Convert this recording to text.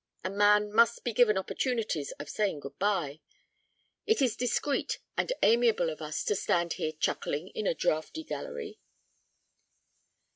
A man must be given opportunities of saying good bye. It is discreet and amiable of us to stand here chuckling in a draughty gallery."